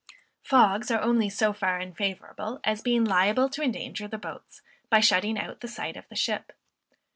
Fogs are only so far unfavorable as being liable to endanger the boats by shutting out the sight of the ship.